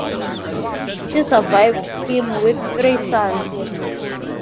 She survived him with three sons.